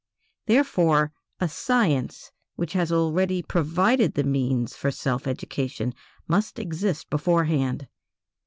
Therefore a science which has already provided the means for self education must exist beforehand.